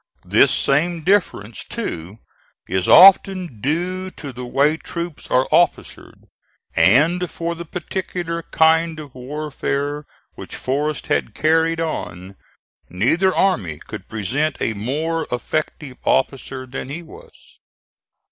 This same difference, too, is often due to the way troops are officered, and for the particular kind of warfare which Forrest had carried on neither army could present a more effective officer than he was.